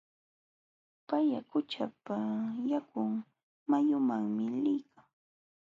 Paka qućhapa yakun mayumanmi liykan.